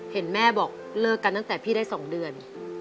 เห็นแม่บอกเลิกกันตั้งแต่พี่ได้๒เดือน